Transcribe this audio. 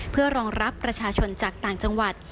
เพื่อรองรับประชาชนจากต่างจังหวัด